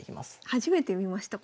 初めて見ました